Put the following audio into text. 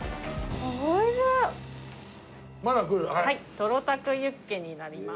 トロたくユッケになります。